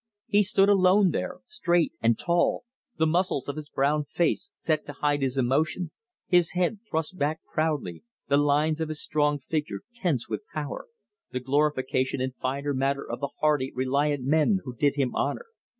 He stood alone there, straight and tall, the muscles of his brown face set to hide his emotion, his head thrust back proudly, the lines of his strong figure tense with power, the glorification in finer matter of the hardy, reliant men who did him honor.